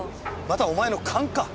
またお前の勘か？